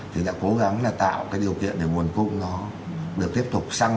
thì đã cố gắng là tạo cái điều kiện để nguồn cung nó được tiếp tục tăng